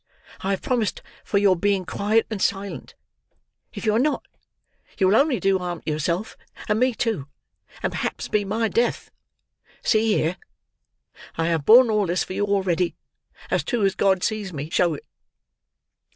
I have promised for your being quiet and silent; if you are not, you will only do harm to yourself and me too, and perhaps be my death. See here! I have borne all this for you already, as true as God sees me show it."